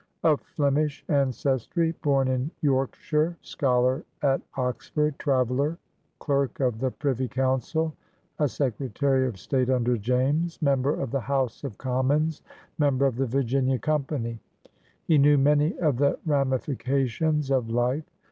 Of Flemish ancestry, bom in York shire, scholar at Oxford, traveler, clerk of the Privy Coimcil, a Secretary of State imder James, member of the House of Commons, member of the Virginia Company, he knew many of the ramifications of life.